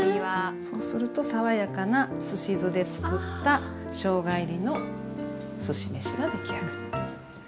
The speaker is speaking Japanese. そうすると爽やかなすし酢で作ったしょうが入りのすし飯が出来上がる。